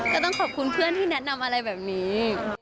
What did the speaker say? ก็ต้องขอบคุณเพื่อนที่แนะนำอะไรแบบนี้